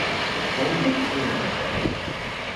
Worum geht es nun?